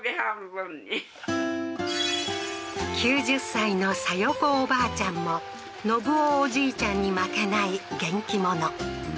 ９０歳のさよ子おばあちゃんも信雄おじいちゃんに負けない元気者